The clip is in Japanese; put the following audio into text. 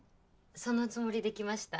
そのつもりで来ました。